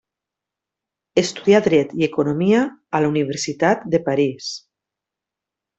Estudià Dret i Economia a la Universitat de París.